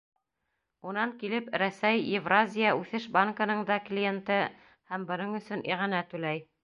Унан килеп, Рәсәй Евразия Үҫеш банкының да клиенты һәм бының өсөн иғәнә түләй.